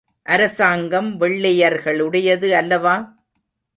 அரசாங்கம் வெள்ளையர்களுடையது அல்லவா?